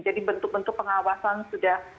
jadi bentuk bentuk pengawasan sudah